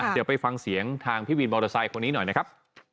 เดี๋ยวไปฟังเสียงทางพี่วินมอเตอร์ไซค์คนนี้หน่อยนะครับ